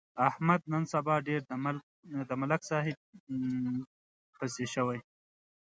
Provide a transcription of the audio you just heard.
احمد نن سبا ډېر د ملک صاحب پسې شوی.